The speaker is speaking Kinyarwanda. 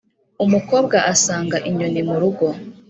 umukobwa asanga inyoni mu murugo